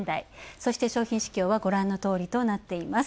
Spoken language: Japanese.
そして商品市況はご覧のとおりとなっています。